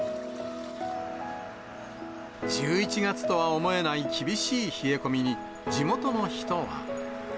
１１月とは思えない厳しい冷え込みに、地元の人は。